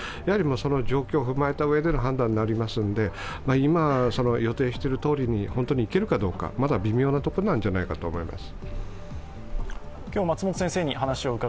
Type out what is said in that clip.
その状況を踏まえたうえでの判断になりますので、今、予定しているとおりに本当に行けるかどうかまだ微妙なところなんじゃないかと思います。